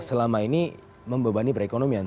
selama ini membebani perekonomian